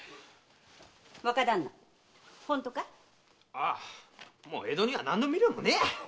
ああもう江戸には何の未練もねえや！